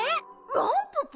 ランププ！？